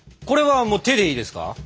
これはもう手でいいですか？